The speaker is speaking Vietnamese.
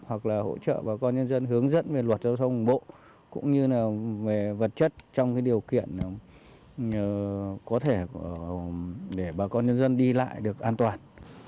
hoặc là hỗ trợ bà con nhân dân hướng dẫn về luật giao thông bộ cũng như là về vật chất trong cái điều kiện có thể để bà con nhân dân đi lại được an toàn